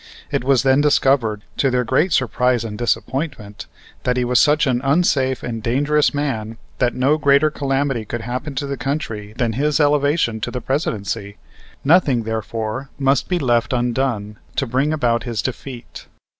It was then discovered, to their great surprise and disappointment, that he was such an unsafe and dangerous man that no greater calamity could happen to the country than his elevation to the Presidency. Nothing, therefore, must be left undone to bring about his defeat.